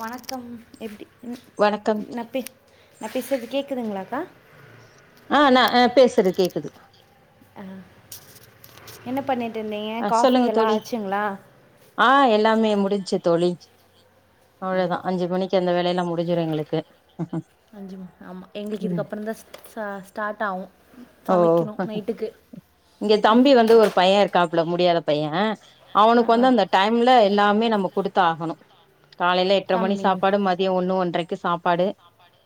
வணக்கம் எப்டி ம் வணக்கம் நா பே நா பேசுறது கேக்குதுங்ளாக்கா ஆ நா அ பேசுறது கேக்குது அ என்ன பண்ணிட் ட்ருந்திங்க ஆ காஃபி சொல்லுங்க எல்லா தோழி ஆய்சிங்ளா ஆ எல்லாமே முடிஞ்சு தோழி அவளதா அஞ்சி மணிக் ட்டிருந்த வேலையெல்லா முடிஞ்சிரும் எங்களுக்கு அஞ்சு மணி ஆமா எங்ளுக்கு ம் இதுக்கப்பறம் தா ஸ் சா ஸ்டார்ட் ஆகு ஓ சமைக்கணு நைட்டுக்கு ப்ட முடியாத பைய ஆ அவனுக்கு ஆ, வந்து அந்த டைம்ல எல்லாமே நம்ம குடுத் தாகணு காலைல எட்ர மணி தம்பி சாப்பாடு மதியோ ஒன்னு ஒன்றைக்கு சாப் பாடு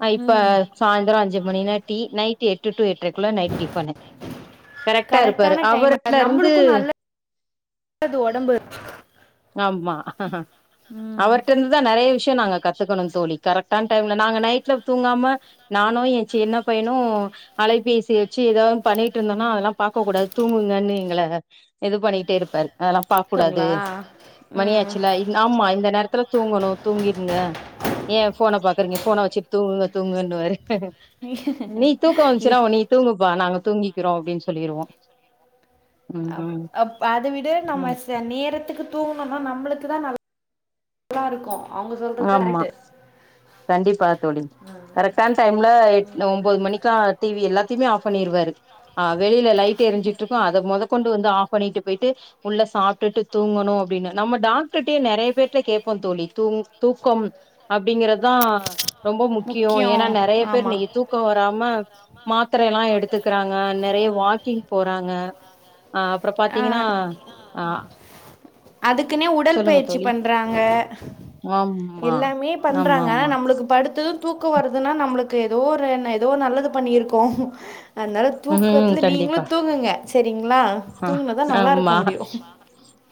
அ இப்ப ம் சாய்ந்தரோ அஞ்சு மணின்ன டி நைட்டு எட்டு டு எட் ட்ர குள்ள நைட் டிஃபன்னு கரெக்டா இருப்பாரு அவர்ட்ல இருந்து லது ஒடம்பு மா அவர்ட்ட இருந்துதா நறைய விஷயோ நாங்க கத்துக்கணு தோழி கரெக்ட் டான டைம்ல நாங்க நைட்ல தூங்காம நானு என் சின்ன பைனு அலைபேசி வச்சி ஏதாவது ஒன்னு பண்ணிட்ருந்தோனா அதெல்லா பாக்க கூடாது தூங்குங்கன் எங்கள இது பண்ணிட்டே இருப்பாரு அதெல்லா பாக் கூடாது சரிங்களா ம் மணியாச்சில ஆமா இந்த நேரத்துல தூங்கணு தூங்கிருங்க ஏன் ஃபோன பாக்குறிங்க போன வச்சி தூங்குங்க தூங்குங்கன்னுவாரு நீ தூக்க ஏ, வன்ச்சுனா நீ தூங்குப்பா நாங்க தூங்கிக்கிறோ அப்டின் சொல்லிருவோ ம் அப்- ம் அப் அத விட நம்ம ச நேரத்துக்கு தூங்குனொன்னா நம்ளுக்குதா நல்ல தாருக்கு அவுங்க சொல்றது ஆமா கரெட்டு கண்டிப்பா தோழி கரெக்ட்டான் டைம்ல எட் ன ஒம்பொது மணிக்லா டி வி எல்லா திமே ஆஃப் பண்ணிருவாரு ஆ வெளில லை ட்டு எரிஞ்சிட்ருக்கு அத மொதகொண்டு வந்து ஆஃப் பண்ணிட்டு போயிட்டு உள்ள சாப்ட்டுட்டு தூங்கணு அப்டின்னு நம்ம டாக்டர்யே நெறைய பேர்ட கேப்போ தோழி தூக்கம் அப்டிங்கிறதா ரொம்ப முக்கியோ முக்கியம் ஏனா நெறைய பேர் ஆமா இன்னிக்கி தூக்க வராம மாத்திரைல்லா எடுத்துக்குறாங்க நெறைய வாக்கிங் போறாங்க ஆ அப்றோ அ பாத்தீங்கன்னா ஆ அதுக்குன்னே உடல் சொல்லுங்க பயிற்சி தோழி பண்றாங்க ஆமா எல்லாமே ஆமா பண்றாங்க ஆமா நம்ளுக்கு படுத்து து‌ தூக்கொ வருதுன்னா நம்ளுக்கு எதோரன் எதோ நல்லது பண்ணியிருக்கோ அத்னால ம் தூக்கத்ல நீங்ளு தூங்குங்க செரிங்ளா அ ஆம்மா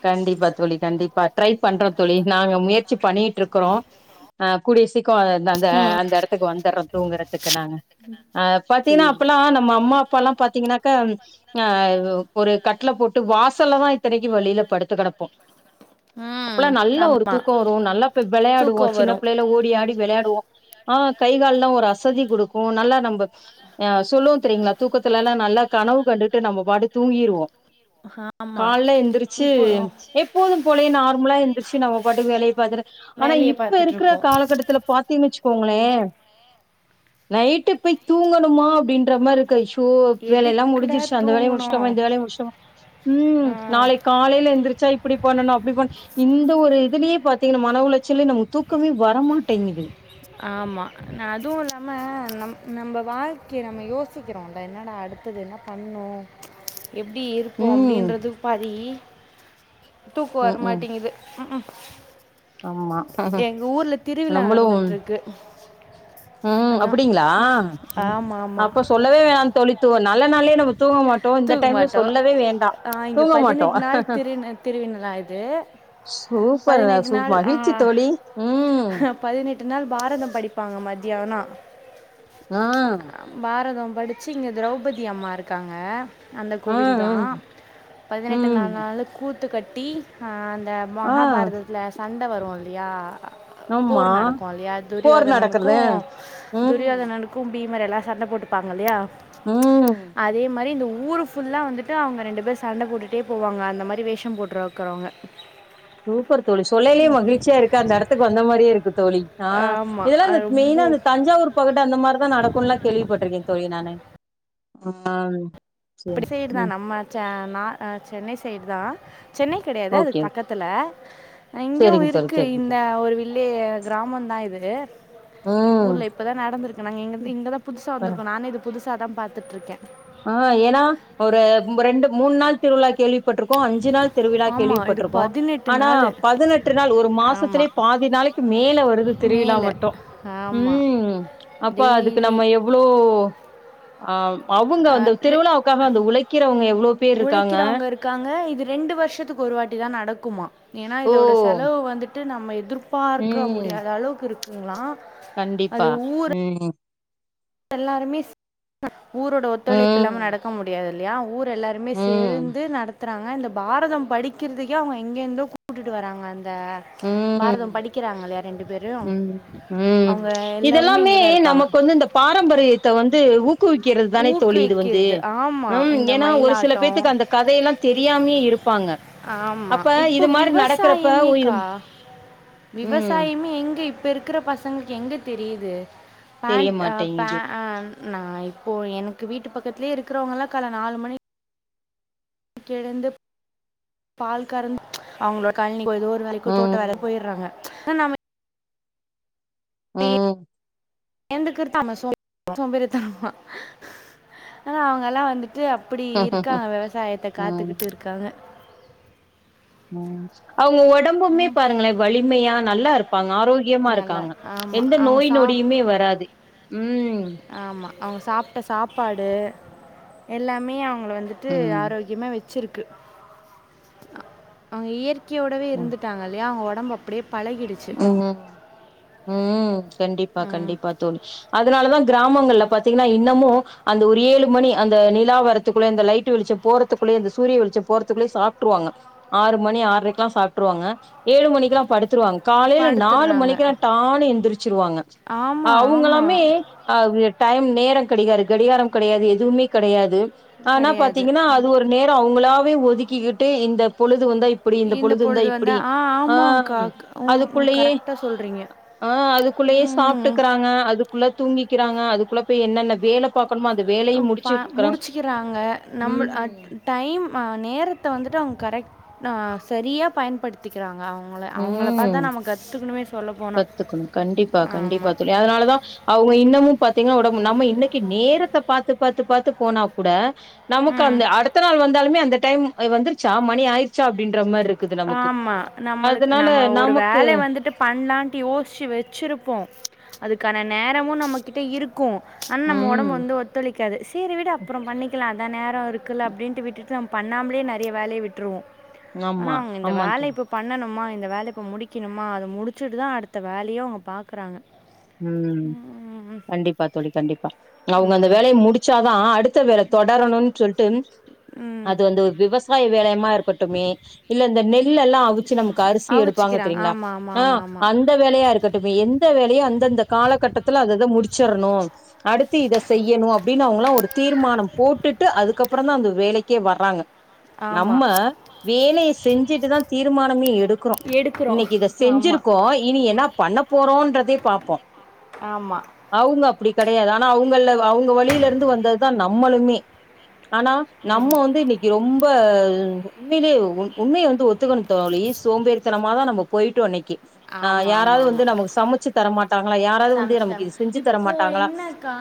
கண்டிப்பா தோழி கண்டிப்பா ட்ரை பண்றோ தோழி நாங்க முயற்சி பண்ணிட்ருக்குறோ அ கூடிய சீக் கொ அதந்த அந்த ம் அந்தெடத்துக்கு வந்தர்றோ தூங்குறதுக்கு நாங்க அ பாத்தீங்னா சரி. அப்பல்லா நம்ம அம்மா ப்பால்லா பாத்தீங்கன்னாக்க ஆ ஒரு கட்ல போட்டு வாசல்லதா இத்தனைக்கு வளில படுத்து கடப்போ ம் அப்பல்லா நல்லா ஒரு ஆமா தூக்கொ வரு நல்லா போய் வெளையாடுவோ தூக்கம் சின்ன வரு பிள்ளைல ஓடி ஆடி வெளயாடுவோ ஆ கை கால்லா ஒரு அசதி குடுக்கு நல்லா நம்ப அ சொல்லுவோ தெரிங்ளா கத்துலெல்லா நல்லா கனவு கண்டுட்டு நம்ம பாட்டு தூங்கிருவோ ஆமா கால்ல எந்துரிச்சு இப்போ எப்போதும் போலயெ நார்மலா எந் திர்ச்சு நம்ம பாட்டுக் வேலைய பாத்துட்டு ஆனா வேலைய இப்ப பாத்துட்டு இருக்குற இருப்போ காலகட்டத்துல பாத்தீங்ன் வச்சு க்கோங்களே நைட்டு பய் தூங்கணுமா அப்டின்ற மாரு [unintelligible] டூ வேலையெல்லா எதுக்குடா முடுஞ்சிர்ச்சு அந்த வேலையு தூங்கணு முடுச்ட்டமா இந்த வேலையு முடுச்ட்டமா ம் ஆ நாளை காலைல எந்துருச்சா இப் இப்டி பண்ணணு அப்டி பண் இந்த ஒரு இதுலயே பாத்தீங்கன்னா மன உளைச்சல்லயே நமக்கு தூக்கமே வரமாட்டேங்குது. ஆமா நா அதுவு இல்லாம நம் நம்ப வாழ்க்கைய நம்ம யோசிக்கிறோல்ல என்னடா அடுத்தது என்ன பண்ணு எப்டி இருப்போ ம் அப்டின்றது பாதி தூக்கோ ம் வர ம் மாட்டேங்குது ம்க்கும். ஆமா எங்க ஊர்ல திருவிழா நம்மளு நடந்துட்ருக்கு ம் அப்டிங்களா? ம் ஆமாம் ஆமாம் அப்ப சொல்லவே வேணா தோழி [unintelligible] நல்ல நாள்லயே நம்ம தூங்க மாட்டோ இந்த டைம்ல தூங்மாட்டோ சொல்லவே வேண்டா ஆ இங்க தூங்க மாட்டோ பதினெட் நாள் திரு நா திருவினலா இது சூப்பர் பதினெட்டு சூ நாள் ஆ மகிழ்ச்சி தோழி ம் பதினெட்டு நாள் பாரதம் படிப்பாங்க மத்தியானோ ஆ படிச்சி இங்க திரௌபதி அம்மா இருக்காங்க. அந்த ஆ கோவில்தா ம் பதினெட்டு ம் நாள் நாளு கூ த்து கட்டி ஆ இந்த ஆ மகாபாரதத்துல சண்ட வருல் ல்லியா ஆமா போர் நடக்கு இல்லையா போர் துரியோதனனுக்கு நடக்குறது ம் துரியோதனனுக்கு பீமர் எல்லா சண்டை போட்டுப்பாங்க இல்லயா ம் அதே மாரி இந்த ஊர் ஃபுல்லா வந்துட்டு அவங்க ரெண்டு பேர் சண்ட போட்டுட்டே போவாங்க அந்த மாரி வேஷம் போட்ருக்கிறவங்க சூப்பர் தோழி சொல்லயிலயே மகிழ்ச்சியா இருக்கு அந்த எடத்துக்கு வந்த மாரியே இருக்கு தோழி ஆ ஆமாம் இதெல்லா இந்த மெய்னா ரொம்ப அந்த தஞ்சாவூர் பக்கத்து அந்த மாரிதா நடக்கும்னல்லா கேள்விப்பட்டிருக்கே தோழி நானு. ஆ சேரி இப்டி சைடுதா ம் நம்ம சா நா ஆ சென்னை சைடுதா சென்னை கெடையாது ஓகே அதுக்கு ஓகே பக்கத்துல ஆ இங்கயு சேரிங்க தோழி இருக்கு சேரிங்க இந்த ஒரு வில்லே கிராமம்தா இது ம் ஊர்ல இப்பதா நடந்திருக்குன்னாங்க இங்க இங்கதா புதுசா வர வந்திருக்கோ நானு இது புதுசு அதா பாத்துட்ருக்கே. ஆ ஏன்னா ஒரு ம் ரெண்டு மூணு நாள் திருவிழா கேள்விப் பட்ருக்கோ அஞ்சு நாள் திருவிழா ஆமாம் இது கேள்விப்பட்ருக்கோ. பதினெட்டு ஆனா நாள் பதினெட்டு நாள் ஒரு மாசத்துலயே ஆமாம் பாதி நாளைக்கு மேல வருது திருவிழா மேலே மட்டு ஆமாம் ம் அப்ப அதுக்கு டெய்லி நம்ம எவ்ளோ ஆமா ஆ ரெ எவ்ளோ பேர் இருக்காங்க உழைக்கிறவங்க இருக்காங்க இது ரெண்டு வருஷத்துக்கு ஒருவாட்டிதா நடக்குமா. ஏன்னா ஓ இதோட செலவு வந்து ட்டு நம்ம எதிர் பார்க்க ம் முடியாத அளவுக்கு இருக் குங்களா கண்டிப்பா ம் எல்லாருமே க்அ ஊரோட ஒத்துழைப்பு இல்லாம ம் நடக்க முடியாது ல்லியா ஊ எல்லாருமே ம் சேர்ந்து நடத்த த்ராங்க இந்த பாரதம் படிக்கிறதுக்கே அவங்க எங்கருந்தோ கூட்டுட்டு வராங்க இந்த ம் பாரதம் படிக்கிறாங்கல்லையா ரெண்டு பேரும் ம் ம் அவங்க எல்லாருமே இங்கதா இருப்பாங்க பாரம்பரியத்தை வந்து ஊக்குவிக்கிறது தானே தோழி இது வந்து ஊக்குவிக்கிறது ஆமா. ம் இந்த ஏன்னா ஒரு சில மயிலாட்டம் பேத்துக்கு அந்த கதையெல்லாம் தெரியாமயே இருப்பாங்க ஆமா. அப்ப இது மாரி நடக்கறப்ப அ ம் விவசாயமே எங்க இப் ப்ப இருக்கிற பசங்களுக்கு எங்க தெரியுது தெரிய பேண்ட் அ பே மாட்டேங்குது அ நாய் இப்போ எனக்கு வீட்டு பக்கத்துலேயே இருக்கிறவங்கல்லா கால நாலு மணி கிடந்து பால் கறந்து அவுங்களோட கல்னி இப்போ ஏதோ ஒரு வேலக்கோ தோட்ட வேலக் ம் போயிடுறாங்க நம்ம ம் எலுந்துக்கிறது சோம் சோம்பேறித்தனமா ஆனா அவுங்களா வந்து அப்படி இருக்காங்க விவசாயத்தை ம் காத்துக்கிட்டு இருக்காங்க ம் அவுங்க உடம்புமே பாருங்களே வலிமயா நல்லா இருக் நல்ல ஆமா அவுங்க நோய் சாப் நொடியுமே வராது ம் ஆமா அவுங்க சாப்ட்ட சாப்பாடு எல்லாமே அவு க வந்துட்டு ம் ஆரோக்கியமா வச் வச்சிருக்கு அங்க இயற் கையோடவே ம் இருந்துட்டாங்க இல்லையா அவங் நம்ம அப்டி பலகிடுச்சு ம் ம் கண்டிப்பா கண்டிப்பா தோழி அதனால தான் கிராமங்கல பாத்திங்கனா இன்னமு அந்த ஒரு ஏழு மணி அந்த நிலா வரத்துக்குள்ளே அந்த லைட்டு வெளிச்ச போருத்துக்குள்ளே அந்த சூரிய வெளிச்ச போறத்துக்குள்ளேயே சாப்ட்டுருவாங்க ஆறு மணி ஆறுரைக்கெலா சாப்ட்டுருவாங்க ஏழு மணிக்கெல்லா படுத்துருவாங்க இப்போ காலயில நாலு அடுத்துடுறாங்க மணிக்குலா எந்திரிச்சிருவாங்க ஆமாம் ஆமாம் அவுங்களாமே அது டைம் நேர கிடைராது கடிகாரம் கிடையாது எதுவுமே கிடையாது ஆனா கிடையாது பாத்திங்கனா அது ஒரு நேர அவங்களாவே ஒ விக்கிக்கிட்டு இந்த பொளு து வந்தா இப்படி இந்த பொளுது வந்தா இப்படி ஆ அதுக்குள்ளயே கரெக்டாக சொல்கிறீங்க ஆ அதுக்குள்ளயே ம், சாப்ட்டுக்கறாங்க அதுக்குள்ள தூங் விக்கிறாங்க அதுக்குள்ள போய் என்னென்ன வேல பாக் அ பா முடிச்சுக்கறாங்க நம்புள் அ ம் டைம் ஆ நேரத்த வந்துட்டு அவுங்க கரெக் நா சரியா பயன்படுத்திக்கறாங்க அவங் அவுங்கள அவங்கள ம் பாத்துதா நாம கத்துக்கணுமே கத்துக்கணு கண்டிப்பா கண்டிப்பா தோலி அதனாலதா அவுங்க இன்னமு பாத்தீங்கன்னா ஒடம் மு நம்ம இன்னைக்கு நேரத்த பாத்து பாத்து பாத்து போனாக் கூட நமக்கு ம் அந்த அடுத்த நாள் வந்தாலுமே அந்த டைம் அது வந்துருச்சா மணி ஆயிருச்சா அப்டின்ற மாரி இருக் ஆமா நம்மளுக்கு நம்ம ஒரு நமக்கு வேலைய வந்துட்டு பண்லான்னு ட்டு யோசிச்சு வச்சிருப்போ அதுக்கான நேரமு நம்மகிட்ட இருக் க்கு ஆனா நம்ம ம் ஒடம்பு வந்து ஒத்துழைக் க்காது சேரி விடு அப்புறொ பண்ணிக்கலா அதா நேரோ இருக்குல்ல அப்டின்ட்டு விட்டுட்டு நம்ம பண்ணாமலே நெறைய வேலைய விட்ருவோ ஆனா ஆமா அவுங்க இந்த ஆமா வேல தோழி. இப்ப பண்ணணுமா இந்த வேல இப்ப முடிக்கணுமா அத முடிச்சுட்டு தா அடுத்த வேலயு அவுங்க பாக்குறாங்க ம் கண்டிப்பா தோலி கண்டிப்பா அவுங்க அந்த ம் வேலய முடிச்சாதா அடுத்த வேல தொடரணுன்னு சொல்ட்டு ம் அது அந்து விவசாய வேலயுமா இருக்கட்டுமே இல்ல இந்த நெல்லல்லா அவிச்சு நமக்கு அரிசி எடுப்பாங்க அவிச்சிக்கிறாங்க தெரியுங்களா ஆமாம் ஆமாம் ஆ ஆமாம் அந்த வேலயா இருக்கட்டமே எந்த வேலயோ அந்த ந்தந்த காலகட்டத்துல அதஅத முடிச்சிர்ணு அடுத்து இத செய்யணு அப்படின்னு அவங்களா ஒரு தீர்மானம் போட்டுட்டு அதுக்கப்றொந்தா அந்த வேலைக்கே வர்றாங்க ஆமாம் நம்ம ஆமாம் வேலைய செஞ்சுட்டு தா தீர் தீர்மானமே எடு டுக்கறோ எடுக்கிறோம் இன்னைக்கு இத ஆமாம் செஞ்சிருக்கோ இனி என்னாப் பண்ணப் போறோன்றதே பாப் ஆமா அப்டி கெடையாது ஆனா அவங்கல்ல அவங்க வலியில இருந்து வந்ததுதா நம்மளுமே ஆனா நம்ம வந்து இன்னைக்கு ரொம்ப அ உண்மையிலே உண் உண்மைய வந்து ஒத்துக்கணு தோலி சோம்பேறித்தனமா தா நம்ப போயிட்டோ இன்னைக்கு ஆ யாராவது வந்து நமக்கு சமச்சு தரமாட் சமச்தர இப்போ என்னக்கா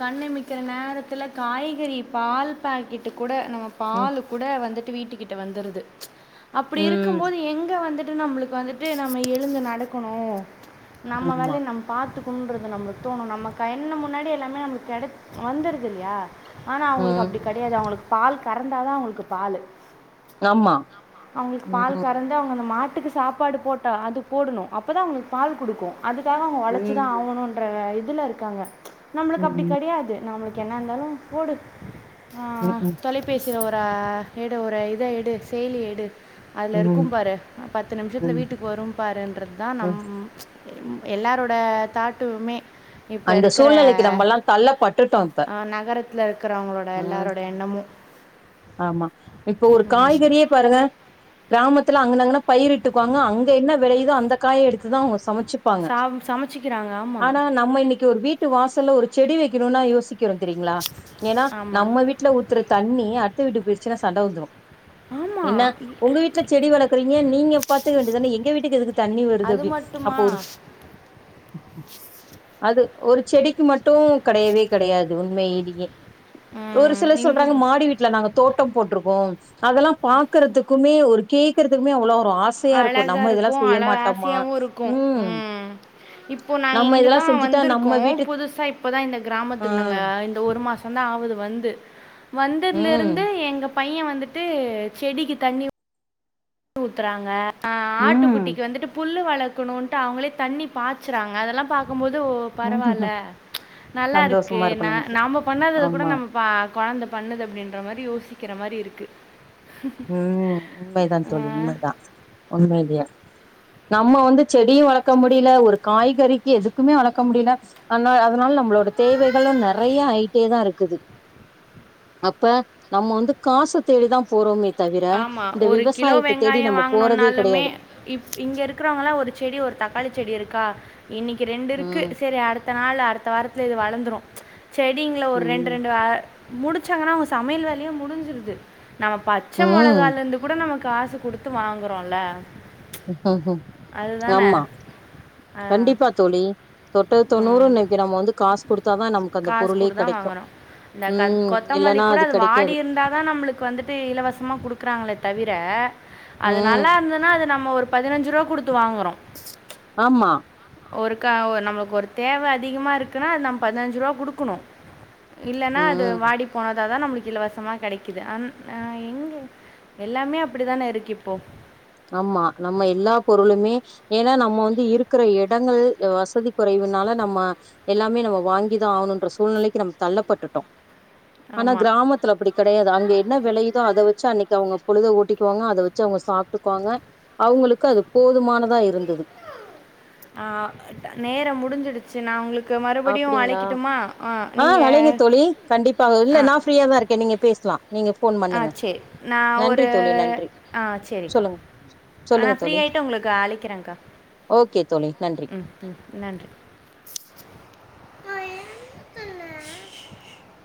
கண் இமைக்கற நேரத்துல காய்கறி பால் பாக்கெட்டுக் கூட நம்ம ம் பாலு கூட வந்துட் வீட்டுக்கிட்ட வந்துருது அப்டி இருக்கு ம் போது எங்க வந்து து நம்ளுக்கு வந்துட்டு நம் ம்ம எழுந்து நடக்கணு நம்ம ஆமா வேலய நம்ம பாத்து குன்றதுனா மட்டு நம்ம கண்ணு முன்னாடி எல்லாமே நம்ளுக் கெடச் வந்துருதுல்யா ஆனா அவுங்ளுக் அப்டி ம் கடையாது அவுங்ளுக் பால் கறண்தா தா அவங்ளுக்கு பாலு ஆமா அவங்களுக்கு பால் ம் கறந்து அவங்க அந்த மாட் ட்டுக்கு சாப்பாடு போட்டு அது போடணு அப்ப தா அவங்ளுக்கு பால் குடுக்கு அதுக்காக அவங்க வொளச்சிதா ம் ஆகணும்ன்ற இத் துல இருக்காங்க நம்ளுக்கு அப்டி ம் கடையாது நம்மளுக் என்ன இருந்தாலு போடு ஆ ம் ம் தொலைபேசிறவர் ஆ எடு ஒரு இத எடு செயலி எட் அதுல ம் ம் இருக்கும் பாரு பத்து நிம்ஷத்துல வீட்டுக்கு வரு பாருன்றத்தா நம் ம் எல்லாரோட தாட்டுமே இப்ப அந்த இருக்கற சூழ்நிலைக்கு நம்மல்லா தள்ளப்பட்டுட்டோ இப்ப ஆ நகரத்துல இருக்கறவங்களோட எல்லாரோட ம் எண்ணமு ஆமா இப்போ ஒரு காய்கறியே பாருங்க க்ராமத்துல அங்கன்ன அங்கன்ன பயிரிட்டுக்குவாங்க அங்க என்ன வெளயுதோ அந்த காய எடுத்துதா அவங்க சமைச் ச்சிப்பாங்க சா சமைச்சிக்கிறாங்க ஆமாம் ஆனா நம்ம இன்னைக்கு ஒரு வீட் ட்டு வாசல்ல ஒரு செடி வெக்கனுன்னா யோசிக் கிறோம் தெரிங்ளா ஏனா ஆமாம் நம்ம வீட்ல ஊத்துற தண்ணி அ வீட்ல போய்ச்சினா சண்ட வந்துரு ஆமா என்ன இ- உங்க வீட்ல செடி வளக்குறீங்க நீங்க பாத்துக்க வேண்டியது தான எங்க வீட்டுக்கு எதுக்கு தண்ணி வருது அது அப்டின் மட்டுமா அப்போ ஒரு அது ஒரு செடிக்கு மட்டு கடையவே கிடையாது உண்மையே எ ஒரு ம் சிலர் இங் சொல்றாங்க மாடி வீட்ல நாங்க போட்ருக்குகோ அதெல்லா பாக்றதுக்குமே ஒரு கேக்றதுக்குமே அவ்ளோ ஒரு ஆசையா அழகா நம்ம இதெல்லா இருக்கு செய்ய அழ மாட்டோமா ஆசையாவு இருக்கு ம் இப்போ நாங்க நம்ம இதெல்லா இங்கதா செஞ்சுட்டா நம்ம வந்திருக்கோ வீட்டு புதுசா இப்பதா இந்த ஆ கிராமத்துக்கு நாங்க இந்த ஒரு மாசோந்தா ஆவுது வந்து வந்ததுல இருந்து ம் எங்க பைய வந்துட்டு செடிக்கி தண்ணி ஊ த்துறாங்க ஆ ம் ஆட்டுக்குட்டிக்கு வந்துட்டு புல்லு வளக்கணுன்ட்டு அவங்களே தண்ணி பாச்சறாங்க அதெல்லா பாக்கும்போ து ஓ ம் பரவால்ல நல்லா இருக்கு சந்தோஷமா நா நமக்கு நாம பண்ணாதது கூட ஆமா நம்ம பா கொழந்த பண்ணுது அப்டின்ற மாரி யோசிக்கிற மாரி இரு க்கு. ம் உண்மைதான் தோழி உண்மைதா உண்மையிலயே நம்ம வந்து செடியு வளக்க முடியல ஒரு காய்கறிக்கி எதுக்குமே வளக்க முடியல ஆனா அதனால நம் மளோட தேவைகளு நெறைய ஆயிட்டேதா இருக்குது. அப்ப நம்ம வந்து காச தேடிதா போறோமே தவிர ஆமா இந்த ஒரு கிலோ விவசாயத்த தேடி வெங்காயோ நம்ம போறதே வாங்கணுனாலுமே கெடையாது இ இங்க இருக்கிறவங்கல்லா ஒரு செடி ஒரு தக்காளி செடி இருக்கா இன்னக்கி ரெண்டு இருக்கு ம் சரி அடு த்த நாள் அடுத்த வாரத்துல இது வளந்துரு செடிங்கள ஒரு ரெண்டு ம் ரெண்டு ஆ முடிச்சாங்கன்னா அவங்க சமையல் வேலையே முடிஞ்சிருது நம்ம பச்ச ம் மொளகால இருந்து கூட நம்ம காசு குடுத்து வாங்குறோல்ல ஆமா ஆ கண்டிப்பா தோழி தொட்டது தொண்ணூறு ம் இன்னைக்கு நம்ம வந்து காசு குடுத்தாதா நமக்கு அந்த காசு பொருளே குடுதா கெடைக்கு வாங்கறோ இந்த க ம் கொத்தமல்லி இல்லன்னா கூட அது வாடி கெடைக்காது இருந்தாதா நம்மளுக்கு வந்துட்டு இலவசமா குடுக்குறாங்களே தவிர அது ம் நல்லா இருந்ததுன்னா அது நம் ம ஒரு பதினஞ்சு ரூவா குடுத்து வாங்குறோ. ஆமா ஒரு க ஒ நம்மளுக்கு ஒரு தேவ அதிகமா இருக்குன்னா அது நம்ம பதினஞ்சு ரூபா குடுக்கணு இல்லன்னா அது ம் வாடிப் போன துதா நம்மளுக்கு இலவசமா கெடைக்குது அந் ஆ எங்க எல்லாமே அப்டிதானே இருக்கு இப்போ ஆமா நம்ம எல்லா பொருளுமே ஏன்னா நம்ம வந்து இருக்குற இடங்கள் ஆ வசதி குறைவுனால நம்ம எல்லாமே நம்ம வாங்கிதா ஆகணுன்ற சூழ்நிலைக்கு நம்ம தள்ளப்பட்டுட்டோ. ஆனா ஆமாம் கிராமத்துல அப்படி கெ டையாது அங்க என்ன வெளையுதோ அத வச்சு அன்னைக்கு அவங்க பொழுத ஓட்டிக்குவாங்க அத வச்சு அவங்க சாப் ட்டுக்குவாங்க அவங்களுக்கு அது போதுமானதா இருந்துது. ஆ நேரோ முடிஞ்சிடுச்சு நா உங்களுக் அப்டிங்களா ஆ அழைங்க தோழி நீங்கள் கண்டிப்பாக இல்ல நான் ஃப்ரீயாதா இருக்கே நீங்க பேசலா. நீங்க ஃபோன் ஆ பண்ணுங்க சேரி நா நன்றி ஒரு தோழி நன்றி ஆ சேரிக்கா சொல்லுங்க ஆ நா சொல்லுங்க ஃப்ரீ தோழி ஆயிட்டு உங்களுக்கு அழைக்கிறேங்க்கா ஓகே தோழி நன்றி ம் ம் நன்றி. நாயில்ல